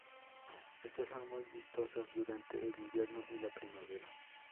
Estas son muy vistosas durante el invierno y la primavera.